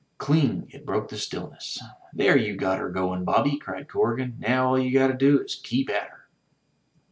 Cling! it broke the stillness. "There you got her goin', Bobby!" cried Corrigan. "Now all you got to do is to keep at her."